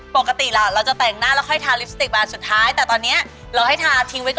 พี่เดี๋ยวว่าเราพังว่าเปลี่ยนขั้นตอนนิดนึง